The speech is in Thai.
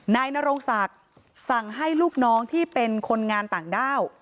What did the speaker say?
นายนรงศักดิ์สั่งให้ลูกน้องที่เป็นคนงานต่างด้าว